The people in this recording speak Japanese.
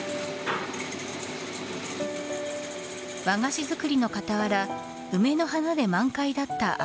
和菓子作りの傍ら梅の花で満開だった